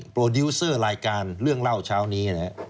โปรดิวเซอร์รายการเรื่องเล่าเช้านี้นะครับ